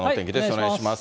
お願いします。